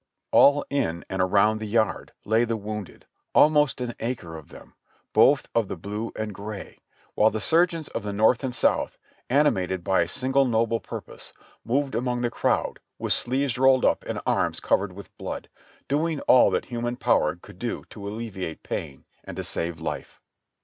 All in and around the yard lay the wounded, almost an acre of them, both of the blue and gray, while the surgeons of the North THE WRECK AFTER THE STORM 26 1 and South, animated by a single noble purpose, moved among the crowd, with sleeves rolled up and arms covered with blood, doing all that human power could do to alleviate pain and to save life.